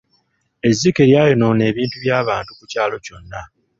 Ezzike lyayonoona ebintu by'abantu ku kyalo kyonna.